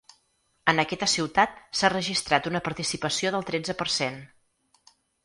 En aquesta ciutat s’ha registrat una participació del tretze per cent.